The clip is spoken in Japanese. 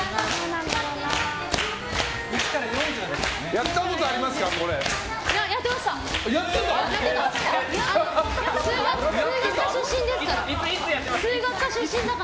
やったことありますか？